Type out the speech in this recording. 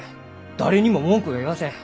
誰にも文句は言わせん。